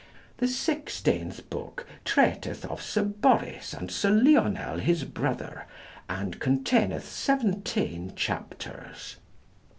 The sixteenth book treateth of Sir Boris and Sir Lionel his brother, and containeth 17 chapters.